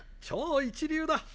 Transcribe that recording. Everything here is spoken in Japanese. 超一流だ。